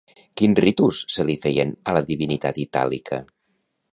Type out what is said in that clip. Quins ritus se li feien a la divinitat itàlica?